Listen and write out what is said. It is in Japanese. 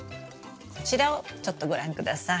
こちらをちょっとご覧下さい。